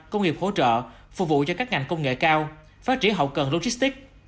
công nghiệp hỗ trợ phục vụ cho các ngành công nghệ cao phát triển hậu cần logistics